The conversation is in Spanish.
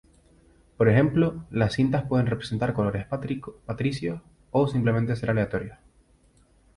Por ejemplo, las cintas pueden representar colores patricios o simplemente ser aleatorios.